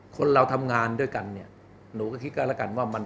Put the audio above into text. คนเราทำงานด้วยกันเนี่ยหนูก็คิดกันแล้วกันว่ามัน